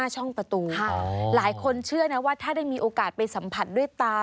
ช่องประตูหลายคนเชื่อนะว่าถ้าได้มีโอกาสไปสัมผัสด้วยตา